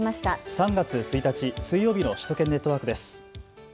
３月１日、水曜日の首都圏ネットワークです。